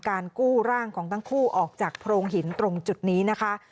กู้ร่างของทั้งคู่ออกจากโพรงหินตรงจุดนี้นะคะ